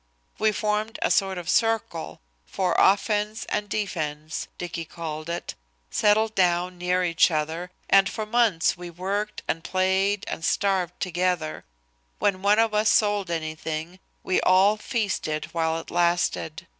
We formed a sort of circle, "for offence and defence," Dicky called it; settled down near each other, and for months we worked and played and starved together. When one of us sold anything we all feasted while it lasted.